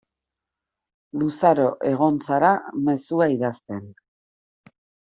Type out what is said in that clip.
Luzaro egon zara mezua idazten.